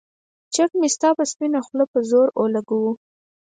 چک مې ستا پۀ سپينه خله پۀ زور اولګوو